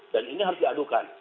dan ini harus diadukan